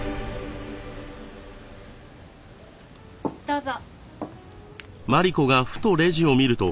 どうぞ。